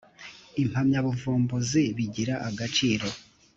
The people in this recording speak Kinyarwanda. impamyabuvumbuzi bigira agaciro